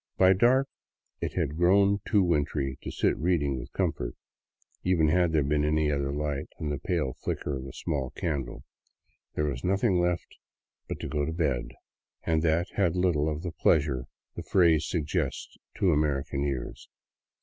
By dark it had grown too wintry to sit reading with comfort, even had there been any other light than the pale flicker of a small candle. There was nothing left but to go to bed, and that had little of the pleasure the phrase suggests to American ears.